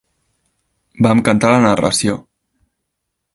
Vam cantar la narració.